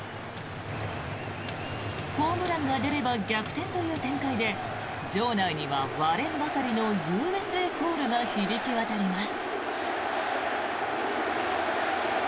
ホームランが出れば逆転という展開で場内には割れんばかりのＵＳＡコールが響き渡ります。